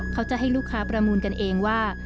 เขาจะให้ลูกค้าประมูลกันเองว่า